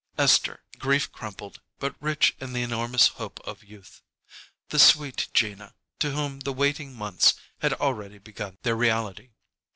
Esther, grief crumpled, but rich in the enormous hope of youth. The sweet Gina, to whom the waiting months had already begun their reality.